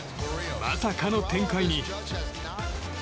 まさかの展開に。